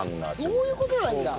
そういう事なんだ。